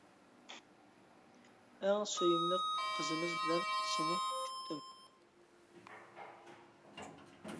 ئەڭ سۆيۈملۈك قىزىمىز بىلەن سېنى كۈتتۈم.